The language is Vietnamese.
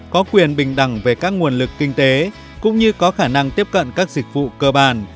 có quyền bình đẳng về các nguồn lực kinh tế cũng như có khả năng tiếp cận các dịch vụ cơ bản